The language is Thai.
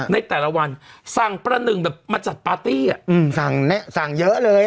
ในแต่ละวันสั่งประหนึ่งแบบมาจัดปาร์ตี้อ่ะอืมสั่งเนี้ยสั่งเยอะเลย